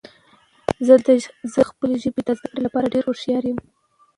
زه د خپلې ژبې د زده کړو لپاره ډیر هوښیار یم.